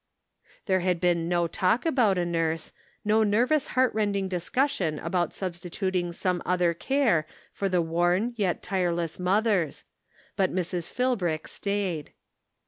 There had been no talk about a nurse, no nervous heart rending discussion about sub stituting some other care for the worn yet tireless mother's ; but Mrs. Philbrick stayed.